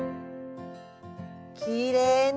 きれいね。